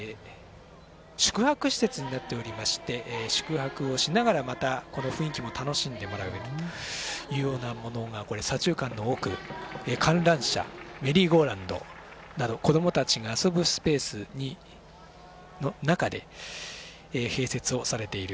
宿泊施設になっておりまして宿泊をしながらまた、この雰囲気を楽しんでもらうというようなもの左中間の奥観覧車、メリーゴーランドなど子どもたちが遊ぶスペースの中で併設をされている。